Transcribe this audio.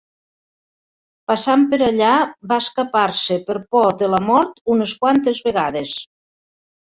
Passant per allà va escapar-se per por de la mort unes quantes vegades.